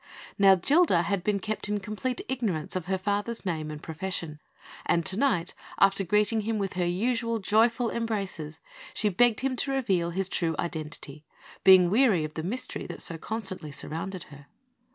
Now, Gilda had been kept in complete ignorance of her father's name and profession; and to night, after greeting him with her usual joyful embraces, she begged of him to reveal his true identity, being weary of the mystery that so constantly surrounded her.